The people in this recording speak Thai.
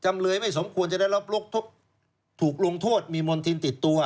จำเลยไม่สมควรจะได้รับถูกลงโทษมีมณฑินติดตัว